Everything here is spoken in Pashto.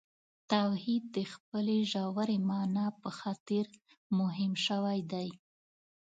توحید د خپلې ژورې معنا په خاطر مهم شوی دی.